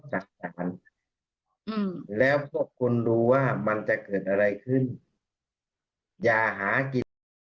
จากนั้นแล้วพวกคุณดูว่ามันจะเกิดอะไรขึ้นอย่าหากิน